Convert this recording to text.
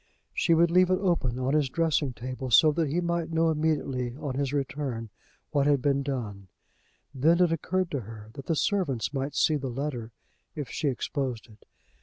She would leave it open on his dressing table so that he might know immediately on his return what had been done. Then it occurred to her that the servants might see the letter if she exposed it.